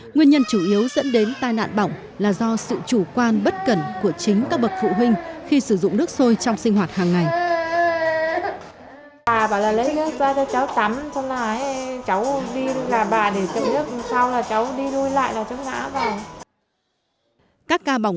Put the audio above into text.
nguyên nhân chủ yếu dẫn đến tai nạn bỏng là do sự chủ quan bất cần của chính các bệnh nhân